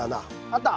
あった！